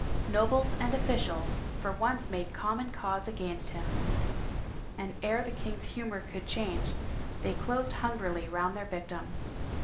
Nobles and offi cials for orice made common cause against him and ere the king's humor could change they closed hungrily round their victim.